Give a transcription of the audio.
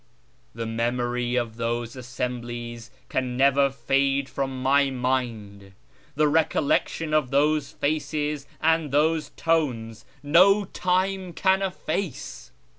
The memory of those assemblies can never fade from my mind ; the recollection of those faces and those tones no time can efface.